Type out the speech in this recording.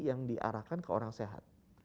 yang diarahkan ke orang sehat